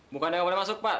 bukan gak boleh masuk pak